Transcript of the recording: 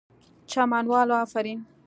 چمن والو آفرین!!